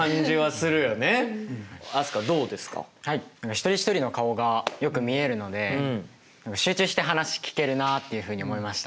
一人一人の顔がよく見えるので集中して話聞けるなっていうふうに思いました。